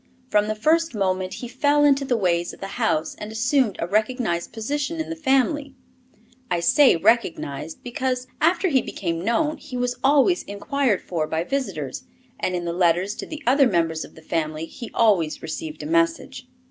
From the first moment, he fell into the ways of the house and assumed a recognized position in the family, I say recognized, because after he became known he was always inquired for by visitors, and in the letters to the other members of the family he always received a message.